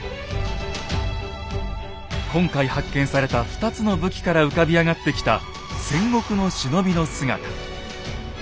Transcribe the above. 今回発見された２つの武器から浮かび上がってきた戦国の忍びの姿。